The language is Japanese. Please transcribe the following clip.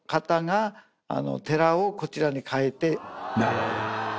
なるほど。